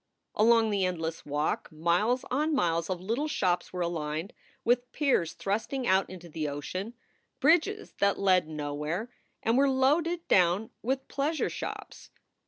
Along the endless walk miles on miles of little shops were aligned, with piers thrusting out into the ocean, bridges that led nowhere and were loaded down with pleasure shops.